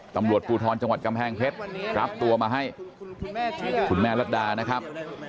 ตำรวจภูทรจังหวัดกำแพงเพชรรับตัวมาให้คุณแม่รัฐดานะครับ